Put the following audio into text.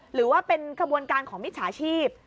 หรือว่าเป็นขบวนการของมิจฉาชีพ